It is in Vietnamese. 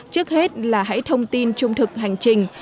trước hết là hãy thông tin trung thực hành trình